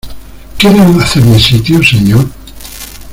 ¿ quiere hacerme sitio, señor?